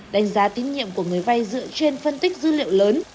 đánh giá tín nhiệm của người vay dựa trên phân tích dữ liệu lớn